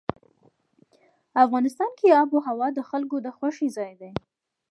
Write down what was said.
افغانستان کې آب وهوا د خلکو د خوښې ځای دی.